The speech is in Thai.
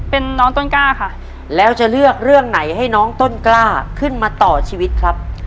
เป็นน้องต้นกล้าค่ะแล้วจะเลือกเรื่องไหนให้น้องต้นกล้าขึ้นมาต่อชีวิตครับ